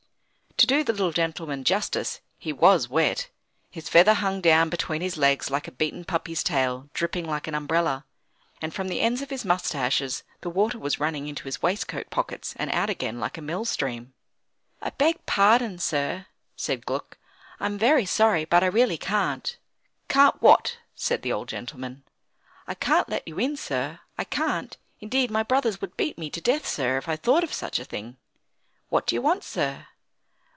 To do the little gentleman justice, he was wet. His feather hung down between his legs like a beaten puppy's tail, dripping like an umbrella; and from the ends of his moustaches the water was running into his waistcoat pockets, and out again like a mill stream. "I beg pardon, sir," said Gluck, "I'm very sorry, but I really can't." "Can't what?" said the old gentleman. "I can't let you in, sir, I can't, indeed; my brothers would beat me to death, sir, if I thought of such a thing. What do you want, sir?"